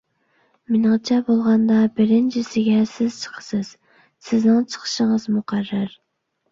مېنىڭچە بولغاندا، بىرىنچىسىگە سىز چىقىسىز، سىزنىڭ چىقىشىڭىز مۇقەررەر.